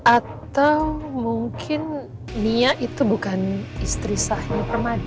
atau mungkin nia itu bukan istri sahnya permadi